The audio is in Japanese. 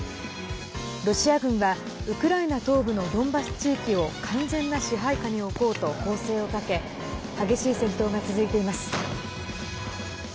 ロシア軍はウクライナ東部のドンバス地域を完全な支配下に置こうと攻勢をかけ激しい戦闘が続いています。